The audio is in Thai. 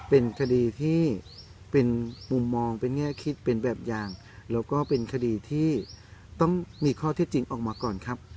เป็นคดีที่เป็นมุมมองเป็นแง่คิดเป็นแบบอย่างแล้วก็เป็นคดีที่ต้องมีข้อเท็จจริงออกมาก่อนครับ